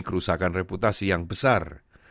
kerusakan reputasi yang besar